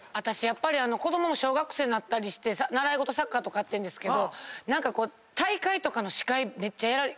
私子供も小学生になったりして習い事サッカーとかやってんですけど何かこう大会とかの司会めっちゃ。